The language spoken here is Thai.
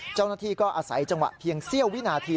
เจ้าหน้าที่ก็อาศัยจังหวะเพียงเสี้ยววินาที